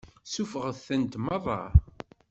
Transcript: Suffɣet-tent meṛṛa.